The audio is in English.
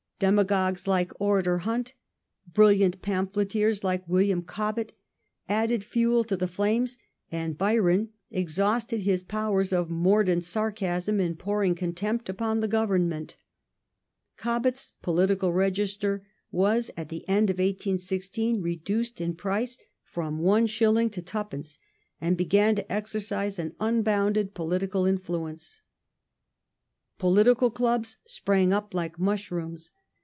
Demagogues like *' Orator " Hunt, brilliant pamphleteei s like William Cobbett added fuel to the flames, and Byron exhausted his powers of mordant sarcasm in pouring contempt upon the Government. Cobbett's Political ^ Register was at the end of 1816 reduced in price from Is. to 2d. and began to exercise an unbounded political influence. Political clubs sprang up like mushrooms.